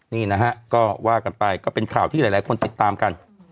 นี่นะฮะก็ว่ากันไปก็เป็นข่าวที่หลายคนติดตามกัน